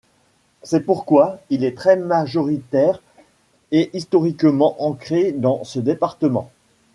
C'est pourquoi il est très majoritaire et historiquement ancré dans ce département.